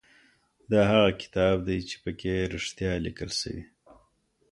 دا هغه کتاب دی چي په کي رښتیا لیکل سوي.